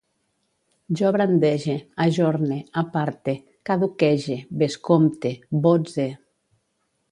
Jo brandege, ajorne, aparte, caduquege, bescompte, botze